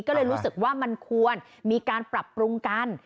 ก็เลยรู้สึกว่ามันควรมีการปรับปรุงกัน